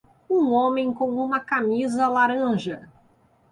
Um homem com uma camisa laranja.